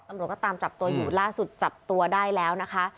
ตำรวจก็ตามจับตัวอยู่ล่าสุดจับตัวได้แล้วนะคะ